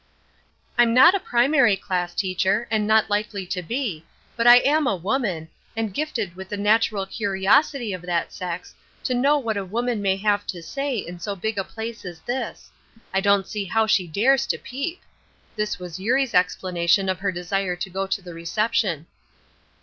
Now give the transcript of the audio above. "I'm not a primary class teacher, and not likely to be, but I am a woman, and gifted with the natural curiosity of that sex to know what a woman may have to say in so big a place as this. I don't see how she dares to peep." This was Eurie's explanation of her desire to go to the reception.